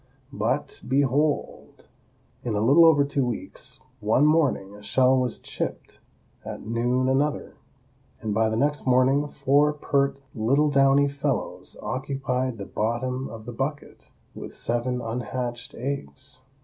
But, behold! in a little over two weeks, one morning a shell was chipped, at noon another, and by the next morning four pert little downy fellows occupied the bottom of the bucket, with seven unhatched eggs.